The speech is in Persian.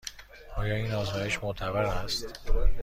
آیا این آزمایش معتبر است؟